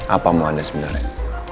apa mau anda sebenarnya